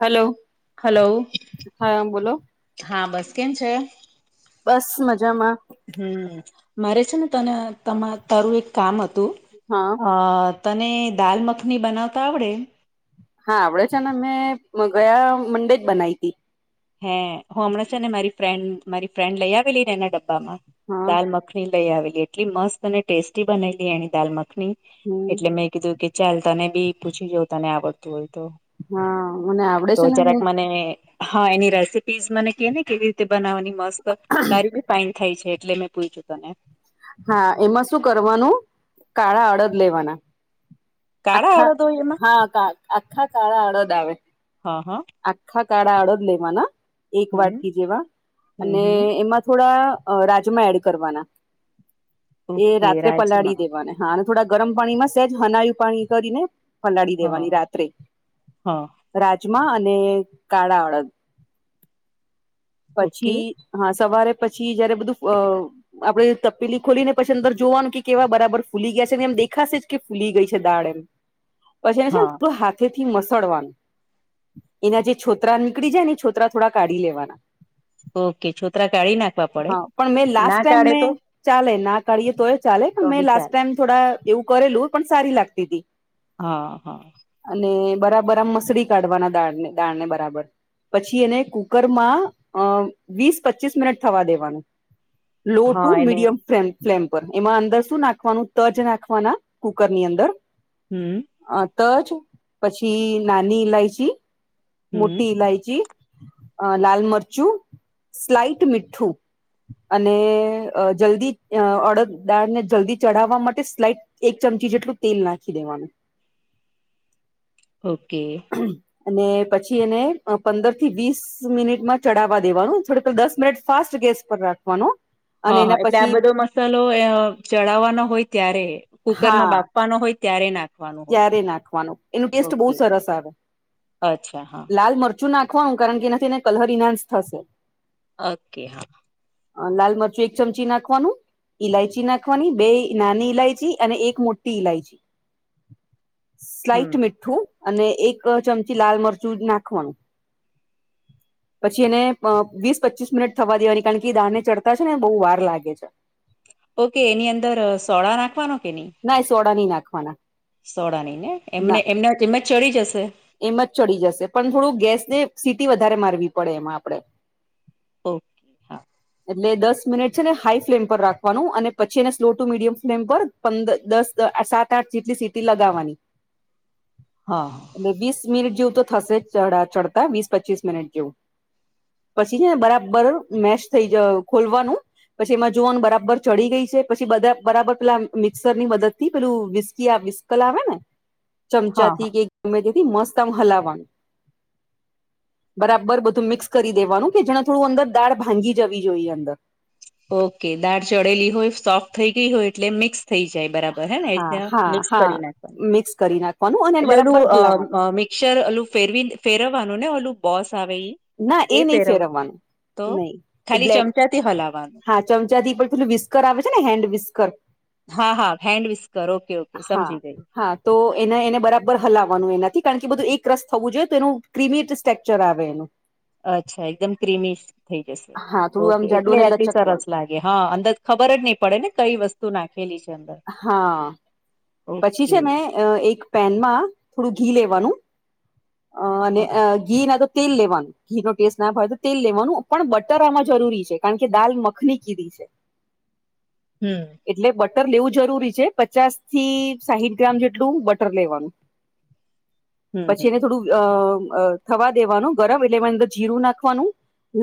Hello. Hello, હા બોલો હા બસ કેમ છે? બસ મજામાં. હમ, મારે છે ને તને તમા તારું એક કામ હતું. હા. અ તને દાલ મખની બનાવતા આવડે? હા આવડે છે ને મેં ગયા મંડે જ બનાઇ હતી. હે હું હમણાં છે ને મારી ફ્રેન્ડ મારી ફ્રેન્ડ લઈ આવેલી ને એના ડબ્બામાં, હા દલમખની. લઈ આવેલી એટલી મસ્ત અને ટેસ્ટી બનાવેલી એની દાલ મખની, હમ એટલે મેં કીધું કે ચાલ તને બી પૂછી જોવું તને આવડતું હોય તો. હા મને આવડે તો છે ને જરાક હું મને હા એની રેસીપીઝ મને કે ને કેવી રીતે બનાવવાની? મસ્ત તારી બી ફઇન થાય છે એટલે મેં પૂછ્યું તને. હા એમાં શું કરવાનું કાળા અડદ લેવાના. કાળા આખા અડદ હોય એમાં હા આખા કાળા અડદ આવે. હ હ. આખા કાળા અડદ લેવાના, એક હમ વાટકી જેવા, હમ અને હમ એમાં થોડા અ રાજમા એડ કરવાના, એ ઓકે રાત્રે પલાળી રાજમા દેવાના. હા અને થોડા ગરમ પાણીમાં સહેજ હનાયું પાણી કરીને. ફલાડી દેવાની હા રાત્રે, હા રાજમા અને કાળા અળદ. ઓકે પછી હા સવારે પછી જયારે બધું અ આપડે તપેલી ખોલીને પછી અંદર જોવાનું કે કેવા બરાબર ફૂલી ગયા છે ને એમ દેખાશે જ કે ફુલી ગઈ છે દાળ એમ. પછી છે પ હા થી મસડવાનું, એના જે છોતરા નીકળી જાય ને એ છોતરા થોડા કાઢી લેવાના. ઓકે છોતરા કાઢી નાખવા પડે, હા પણ મેં લાસ્ટ ના ટાઈમ કાઢે મેં તો? ચાલે ના કાઢીએ તોય ચાલે પણ તો બી મેં લાસ્ટ ચાલે ટાઈમ થોડા એવું કરેલું પણ સારી લાગતી હતી. હા હ. અને બરાબર આમ મસડી કાઢવાના દાળને દાળને બરાબર. પછી એને કુકરમાં અ વીસ પચીસ મિનિટ થવા દેવાનું, લો હા ટુ એને મીડિયમ ફ્લેમ. ફ્લેમ પર એમાં અંદર શું નાખવાનું તજ નાખવાના કુકરની અંદર. હમ. અ તજ પછી નાની ઇલાયચી હમ મોટી ઇલાયચી, અ લાલ મરચું, સ્લાઈટ મીઠું. અને અ જલ્દી અ અડદ દાળને જલ્દી ચઢાવવા માટે સ્લાઈટ એક ચમચી જેટલું તેલ નાખી દેવાનું. ઓકે [inaudible] અને પછી એને પંદર થી વીસ મિનિટમાં ચઢાવવા દેવાનું થોડુ પેલા દસ મિનિટ ફાસ્ટ ગેસ ઉપર રાખવાનો. અને હા હા એના એટલે આ પછી બધો મસાલો અ ચડાવવાનો હોય ત્યારે કુકરમાં હા બાપવાનો હોય ત્યારે નાખવાનો હોય. વાનું એનું ટેસ્ટ બહુ ઓકે સરસ આવે અચ્છા હા. લાલ મરચું નાખવાનું કારણ કેના એને કલર ઇહન્સ થશે. ઓકે હા. અ લાલ મરચું એક ચમચી નાખવાનુ. ઈલાયચી નાખવાની, બેય નાની ઈલાયચી અને એક મોટી ઈલાયચી. [inaudible] હમ સ્લાઈટ મીઠું અને એક ચમચી લાલ મરચું જ નાખવાનું. [inaudible] પછી એને પ વીસ પચીસ મિનિટ થવા દેવાની, કારણ કે દાળને ચડતા છે ને બહુ વાર લાગે છે. ઓકે એની અંદર સોડા નાખવાનો કે નહીં? ના એ સોડા ની નાખવાના. સોડા નહીંને? એમને એમને એમ જ ચડી જશે? એમજ ચડી જશે. પણ થોડું ગેસને સીટી વધારે મારવી પડે એમાં આપણે. ઓકે, હા. એટલે દસ મિનિટ છે ને હાઈ ફ્લેમ પર રાખવાનું, અને પછી એને સ્લો ટુ મીડિયમ ફ્લેમ પર પંદર, દસ, સાત-આઠ જેટલી સીટી લગાવવાની. હા. એટલે વીસ મિનિટ જેવું તો થશે જ ચડા ચડતા, વીસ પચીસ મિનિટ જેવું. પછી છે ને બરાબર મેશ થઈ જ ખોલવાનું. પછી એમાં જોવાનું બરાબર ચડી ગઈ છે, પછી બધાં બરાબર પહેલા આમ મિક્સરની મદદથી પેલું વિસ્કી આ વિસ કલ આવે ને? [inaudible] હા ચમચાથી કે ગમે તેથી મસ્ત આમ હલાવાનું. બરાબર બધું મિક્સ કરી દેવાનું, કે જેના થોડું અંદર દાળ ભાંગી જવી જોઈએ અંદર. ઓકે. દાળ ચડેલી હોય, સોફ્ટ થઈ ગઈ હોય એટલે મિક્સ થઈ જાય બરાબર હે ને, એ હા ત્યાં હા મિક્સ હા કરી નાખવાની. મિક્સ કરી નાખવાનું, અન એટલે ઓલું અહ-અહ મિક્સર ઓલું ફેરવી ફેરવવાનું ને ઓલું બોસ આવે ઈ? ના એ નહી ફેરવવાનું, તો નહીં એ ખાલી બ્લે, ચમચાથી હલાવાનું હા ચમચાથી ઉપર પેલું વિસ્કર આવે છે ને હેન્ડ વિસ્કર હા, હા હેન્ડવિસ્કર, ઓકે-ઓકે હા સમજી ગઈ. હા તો એને-એને બરાબર હલાવવાનું એનાથી, કારણ કે બધું એક રસ થવું જોઈએ, તો એનું ક્રિમિટ સ્ટેક્ચર આવે એનું. અચ્છા, એકદમ ક્રિમી થઈ જશે. હા થોડું આમ ઓકે, જાડુ એટલે અને આટલી લચક વાળું સરસ લા ગે હા અંદર ખબર જ નહીં પડે ને કંઈ વસ્તુ નાખેલી છે અંદર. હા. પછી ઓકે છે ને અ એક પેનમાં થોડું ઘી લેવાનું અ અને હા ઘી ના તો તેલ લેવાનું. ઘીનો ટેસ્ટ ના ભાવે તો તેલ લેવાનું, પણ બટર આમાં જરૂરી છે, કારણ કે દાલ મખની કીધી છે. [unintelligible] એટલે બટર લેવું જરૂરી છે. પચાસ થી સાહીઠ ગ્રામ જેટલું બટર લેવાનું. હમ હમ જેને થોડું અહ અ થવા દેવાનું ગરમ એટલે એમાં અંદર જીરું નાખવાનું,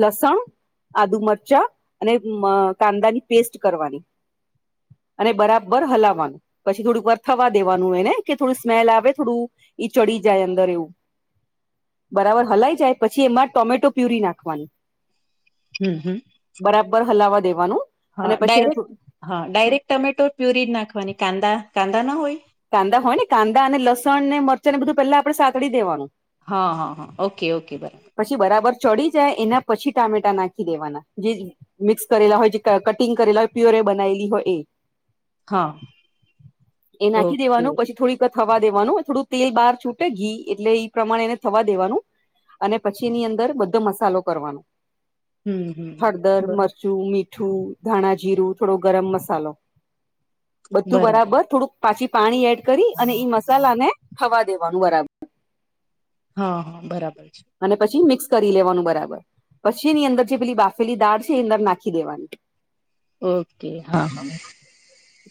લસણ આદું મરચા, અને મ કાંદા ની પેસ્ટ કરવાની. અને બરાબર હલાવવાનું. પછી થોડુંક વાર થવા દેવાનું એને, કે થોડું સ્મેલ આવે થોડું ઈ ચડી જાય અં [unintelligible] બરાબર હલાઈ જાય પછી એમાં ટોમેટો પ્યુરી નાખવાની. હુ હુ બરાબર હલાવા દેવાનું. હા અને પછી ડાયરેક્ટ, હા ડાયરેક ટમેટો પ્યુરી જ નાખવાની, કાંદા, કાંદા ન હોય? કાંદા હોય ને, કાંદા અને લસણ, ને મરચા, ને બધું પેલા આપણે સાતડી દેવાનું. હ હ ઓકે-ઓકે [unintelligible] પછી બરાબર ચડી જાય, એના પછી ટામેટા નાખી દેવાના, જે મિક્સ કરેલા હોય, જે ક કટિંગ કરેલા હોય પ્યોરે બનાયેલી હોય એ. હ. એ નાખી દેવાનું પછી થોડી થવા દેવાનું થોડું તેલ બહાર છૂટે ઘી એટલે ઈ પ્રમાણે એને થવા દેવાનું અને પછી એની અંદર બધો મસાલો કરવાનો હમ હમ હળદર બર- મરચું મીઠું ધાણા જીરું થોડો ગરમ મસાલો બધું બરાબર થોડુંક પાછી પાણી એડ કરી અને ઈ મસાલા ને થવા દેવાનું [unintelligible] હ હ બરાબર છે અને પછી મિક્સ કરી લેવાનું બરાબર પછી એની અંદર જે પેલી બાફેલી દાળ છે એ અંદર નાખી દેવાની ઓકે હા હા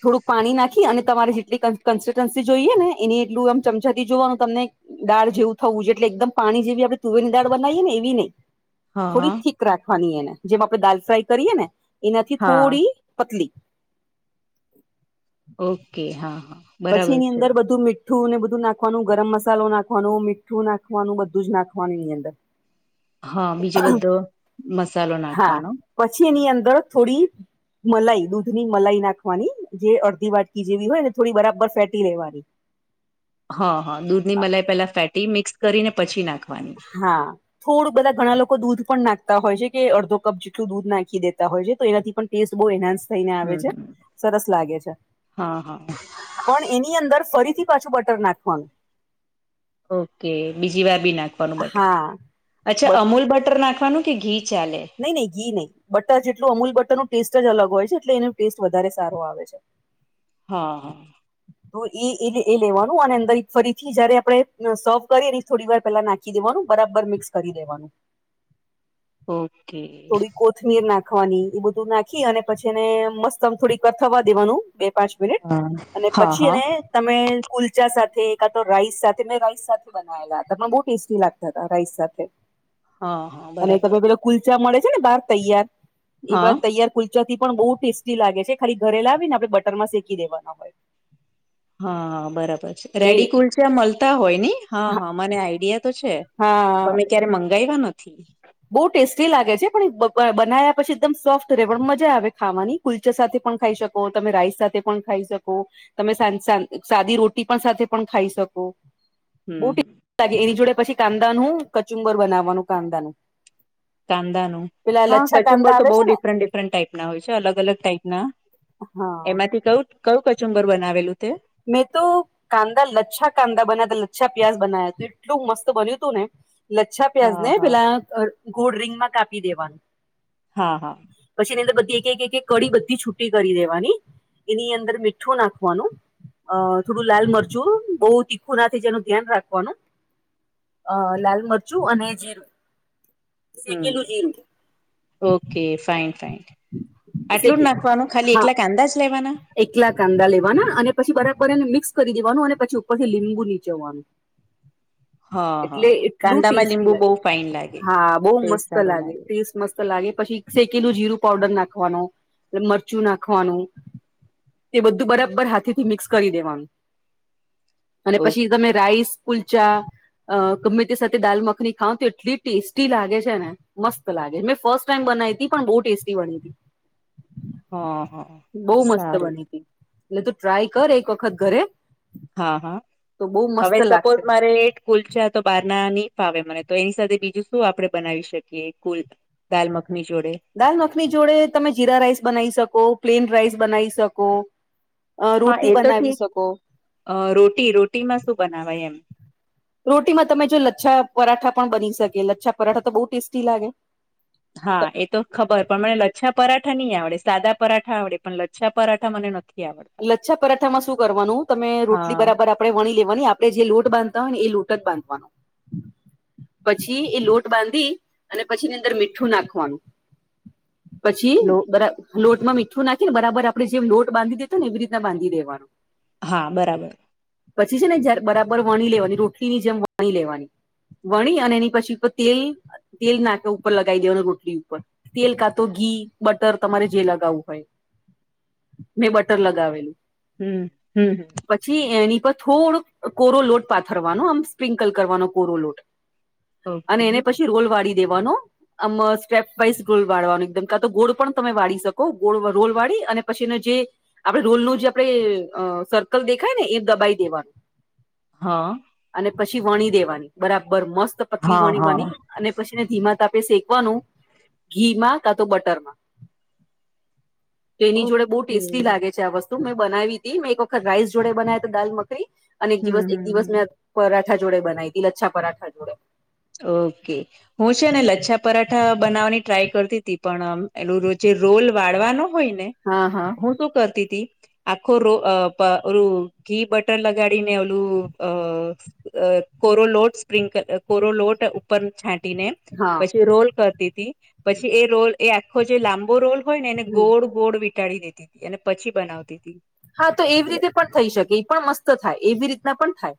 થોડુંક પાણી નાખી અને તમારે જેટલી કન્સિસ્ટન્સી જોઈએ ને એની એટલું આમ ચમચાથી જોવાનું તમને દાળ જેવું થવું જોઈએ એટલે એકદમ પાણી જેવી આપણે તુવેરની દાળ બનાવીયેએ ને એવી નહી હા થોડી હા ઠિક રાખવાની એને જેમ આપણે દાલ ફ્રાય કરીએ ને એનાથી હા થોડી પતલી ઓકે હા હા પછી બરાબર એની છે અંદર બધું [unintelligible] ઠું ને બધું નાખવાનું ગરમ મસાલો નાખવાનું મીઠું નાખવાનું બધું જ નાખવાનું એની અંદર હા બીજો બધો મસાલો હા નાખવાનો પછી એની અંદર થોડી મલાઈ દૂધ ની મલાઈ નાખવાની જે અડધી વાટકી જેવી હોય ને થોડી બરાબર ફેટી લેવાની હ હ દૂધ ની મલાઈ પેલા ફેટી મિક્સ કરીને પછી નાખ હા થોડું બધા ઘણા લોકો દૂધ પણ નાખતા હોય છે કે અડધો કપ જેટલું દૂધ નાખી દેતા હોય છે તો એનાથી પણ ટેસ્ટ [unintelligible] એહનાન્સ થઈને આવે હમ છે હમ સરસ લાગે છે હા હા પણ એની અંદર ફરીથી પાછું બટર નાખવાનું ઓકે બીજી વાર બી નાખવાનું બટર હા અચ્છા અમૂલ બટર નાખવાનું કે ઘી ચાલે નઈ નહીં ઘી નહં બટર જેટલું અમૂલ બટર નું ટેસ્ટ જ અલગ હોય છે એટલે એનો ટેસ્ટ વધારે સારો આવે છે હ હ તો ઈ એટલે એ લેવાનું અને અંદરહી ફરીથી જયારે આપડે અ સૌફટ કરીએ એ થોડી વાર પેલા નાખી ખી દેવાનું બરાબર મિક્સ કરી દેવાનું. ઓકે. થોડી કોથમીર નાખવાની એ બધું નાખી અને પછી એને મસ્તમ થોડીક વાર થવા દેવાનું. બે પાંચ મિનિટ હા અને હા પછી હા. એને તમે કુલચા સાથે કા તો રાઈસ સાથે મેં રાઈસ સાથે બનાવેલા હતા મન બહુ ટેસ્ટી લાગતા હતા રાઈસ સાથે. હા હા અને બરાબર તમે પેલા કુલ્ચા મળે છે ને બહાર તૈયાર હા એવા તૈયાર કુલ્ચા પણ બહુ ટેસ્ટી લાગે છે ખાલી ઘરે લાવીને આપણે બટર માં શેકી દેવાના હોય. હા હા બરાબર છે એટલે રેડી કુલ છે મલતા હોય ને હા હા મને આઈડિયા તો છે. હા હા. મંગાય્વા નથી. બહુ ટેસ્ટી લાગે છે પણ બ બ બનાયા પછી એકદમ સોફ્ટ રહે પણ મજા આવે ખાવાની. કુલ્ચા સાથે પણ ખાઈ શકો તમે રાઈસ સાથે પણ ખાઈ શકો. તમે સાંદ સાંદ સાદી રોટી પણ સાથે પણ ખાઈ શકો. હમ હમ. તાગે એવી જોડે પછી કાંદાનું કચુંબર બનાવાનું કાંદાનું. કાંદા નું પેલા હા લચ્છા કચુંબર કાંદા તો આવે બહુ છે ને ડિફરન્ટ ડિફ રન્ટ ટાઈપ ના હોય છે અલગ અલગ ટાઈપ ના હા એમાંથી કયું કયું કચુંબર બનાવેલું તે. મેં તો કાંદા લચ્છા કાંદા બન્યા તા લચ્છા પ્યાજ બનાયા એટલું મસ્ત બન્યું તું ને. લચ્છા હા પ્યાજને હા પેલા અ ગોળ રિંગમાં કાપી દેવાનું. હા હા. પછી એની અંદર બધી એક એક એક કડી બધી છૂટી કરી દેવાની એની અંદર મીઠું નાખવાનું. અ થોડું લાલ મરચું બઉ તીખું ના જેનું ધ્યાન રાખવાનું. અ લાલ મરચું અને જીરું. હમ શેકેલું જીરું ઓકે ફાઇન ફાઈન આટલું જ શેકી નાખવાનું. ખાલી હા એકલા કાંદા જ લેવાના. એકલા કાંદા લેવાના અને પછી બરાબર એને મિક્સ કરી દેવાનું અને પછી ઉપર થી લીંબુ નીચોવવાનું. હ હ હ એટલું કાંદામાં ટેસ્ટી લીંબુ બહુ લાગે ફાઈન લાગે હા બહુ ટેસ્ટ મસ્ત સારો લાગે. ટેસ્ટ મસ્ત લાગે પછી શેકીલુ જીરું પાવડર નાખવાનું મરચું નાખવાનું. તે બધું બરાબર હાથેથી મિક્સ કરી દેવાનું અને ઓકે પછી તમે રાઈસ કુલચા અ ગમેતે સાથે દાલ મખની ખાવ તો એટલી ટેસ્ટી લાગે છે ને. મસ્ત લાગે મેં ફર્સ્ટ ટાઈમ બનાઈતી પણ બહુ ટેસ્ટી બની હતી. હ હ બહુ મસ્ત સારું. બની એટલે તું ટ્રાય કર એક વખત ઘરે. હા હા તો બહુ મસ્ત હવે સપોઝ લાગશે મારે એક કુલચા તો બાર ના ની ફાવે મને તો એની સાથે બીજું શું આપડે બનાવી શકીએ કુલ દાલ મખની જોડે. દાલ મખની જોડે તમે જીરા રાઈસ બનાવી શકો પ્લેન રાઇસ બનાવી શકો. અ હા રોટી એ તો બનાવી ઠીક શકો અ રોટી રોટીમાં શું બનાવાય એમ. રોટીમાં તમે જો લચ્છા પરાઠા પણ બની શકે લચ્છા પરાઠા તો બહુ ટેસ્ટી લાગે. હા એ તો ખબર પણ મને લચ્છા પરાઠા ની આવડે સાદા પરાઠા આવડે પણ લચ્છા પરાઠા મને નથી આવડતા લચ્છા પરાઠામાં શું કરવાનું તમે રોટલી હા બરાબર આપ આપણે વણી લેવાની આપણે જે લોટ બાંધતા હોય ને એ લોટ જ બાંધવાનો. પછી એ લોટ બાંધી અને પછીની અંદર મીઠું નાખવાનું. પછી લો બરા લોટમાં મીઠું નાખી ને બરાબર આપડે જેમ લોટ બાંધી દીધ ને એવી રીતના બાંધી દેવાનું. હા બરાબર. પછી છે ને જારે બરાબર વણી લેવાની રોટલીની જેમ વણી લેવાની. વણી અને એની પછી ઉપર તેલ તેલ નાખ ઉપર લગાવી દેવાનું રોટલી ઉપર. તેલ કાતો ઘી બટર તમારે જે લગાવવું હોય, મેં બટ ર લગાવેલું. હમ હમ. પછી એની પર થોડો કોરો લોટ પાથરવાનો આમ સ્પ્રિન્કલ કરવાનો કોરો લોટ. [inaudible] અને એને પછી રોલ વાળી દેવાનો. આમ સ્ટેપ બાઈસ ગોલ વાળવાનું એકદમ કા તો ગોળ પણ તમે વાળી શકો ગોળ રોલ વાળી અને પછીને જે આપડે રોલ નું જે આપણે સર્કલ દેખાય ને એ દબાવી દેવાનું. હા. અને પછી વણી દેવાની બરાબર મસ્ત પતલી હા હા વણીવાની. અને પછી ધીમા તાપે શેકવાનું, ઘીમાં કા તો બટરમાં. [inaudible] તો એની જોડે બહુ ઓકે ટેસ્ટી હમ લાગે છે. આ વસ્તુ મેં બનાવી હતી મેં એક વખત રાઈસ જોડે બનાવ હતા દાલ મખરી, અને એક દિવસ હમ એક દિવસ હમ મેં પરાઠા જોડે બનાવી હતી લચ્છા પરાઠા જોડે. ઓકે. હું છે ને લચ્છા પરાઠા બનાવવાની ટ્રાય કરતી હતી પણમ એલ જે રોલ વાળવાનો હોય ને. હા હા. હું શું કરતી તી. આખો રો ઓલું ઘી બટર લગાડીને ઓલું અ અ કોરોલોટ સ્પ્રિંકલ કોરો લોટ ઉપર છાંટી ને હા પછી રોલ કરતી હતી. પછી એ રોલ એ આખો જે લાંબો રોલ હોય ને એને હમ ગોળ ગોળ વિટાડી દેતી હતી અને પછી બનાવતી હતી. હા તો એવી રીતે પણ થઈ શકે એ પણ મસ્ત થાય એવી રીતના પણ થાય.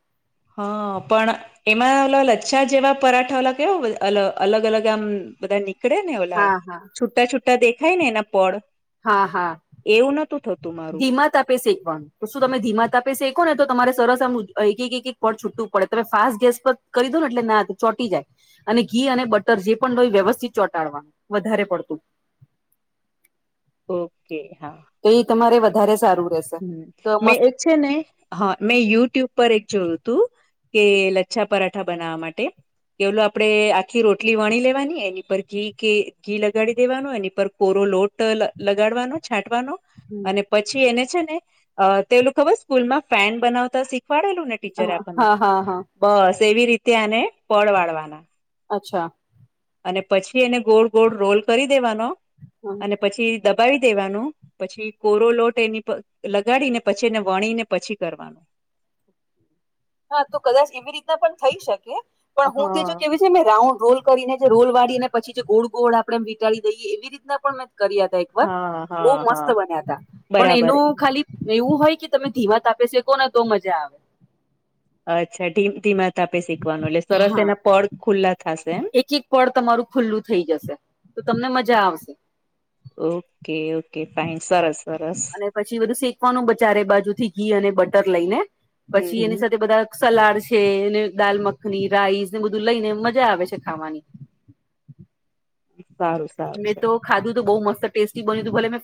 હ પણ એમાં લ લચ્છા જેવા પરાઠા ઓલા કેવા અ અલગ અલગ આમ બધા નીકળે ને ઓલા હા હા છૂટા છુટા દેખાય ને એના પળ. હા હા. એવું નોતું થતું. મારું ધીમા તાપે શેકવાનું. તો શું તમે ધીમા તાપે શેકો ને તો તમારે સરસ આમ એક એક એક પળ છૂટવું પડે તમે ફાસ્ટ ગેસ પર કરી દો ને એટલે ના ચોટી જાય. અને ઘી અને બટર જે પણ લોય વ્યવસ્થિત ચોટાડવા વધારે પડતું. ઓકે હા. તો એ તમારે વધારે સારું રહેશે. હમ તો મેં મસ્ત એ છે ને. હા મેં યુટ્યુબ પર એક જોયું હતું, કે લચ્છા પરાઠા બનાવવા માટે. કે ઓલું આપડે આખી રોટલી વણી લેવાની એની પર ઘી કે ઘી લગાડી દેવાનો એની પર કોરો લોટ તો લ લગાડવાનો છાંટવાનો હમ, અને પછી એને છે ને અ તેલુ ખબર સ્કૂલમાં ફેન બનાવતા શીખ શીખવાડેલુ ને ટીચરે આપણને હા હા હા બસ એવી રીતે આને પળ વાળવાના અચ્છા. અને પછી એને ગોળ ગોળ રોલ કરી દેવાનો હમ અને પછી દબાવી દેવાનું પછી કોરો લોટ એની પ લગાડી ને પછી એને વણી ને પછી કરવાનું હા તો કદાચ એવી રીતના પણ થઈ શકે પણ હું તે જો હા કેવી જેમે રાઉન્ડ રોલ કરીને જે રોલ વાળીને પછી જે ગોળ ગોળ આપણેે વ વિટળી દઈએ એવી મે પણ કર્યા તા એક વાર હા બહુ હા હા. મસ્ત બન્યા તા પણ બરાબર એનું ખાલી એવું હોય કે તમે ધીમા તાપે શેકોને તો મજા આવે. અચ્છા ધી ધીમા તાપે શેકવાનું એટલે સરસ એના પડ ખુલ્લા થાશે એમ બીજી પળ તમારું ખુલ્લું થઈ જશે તો તમને મજા આવશે ઓકે ઓકે ફાઇન સરસ સરસ અને પછી બધું શેકવાનું બચારે બાજુ થી ઘી અને બટર લઈને હમ પછી હમ એની સાથે બધા સલાડ છે એને દાલ મખની રાઈસ ને બધું લઈ ને મજા આવે છે ખાવાની સારું. સારું મેં સારું. તો ખાધું તો બઉ મસ્ત ટેસ્ટી બન્યું તું ભલે મેં